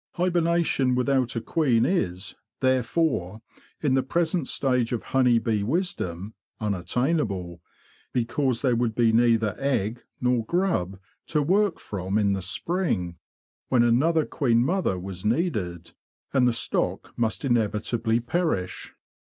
Hibernation without a 188 THE BEE MASTER OF WARRILOW queen is, therefore, in the present stage of honey bee wisdom, unattainable, because there would be neither egg nor grub to work from in the spring, when another queen mother was needed, and the stock must inevitably perish.